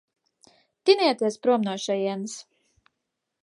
Tinieties prom no šejienes.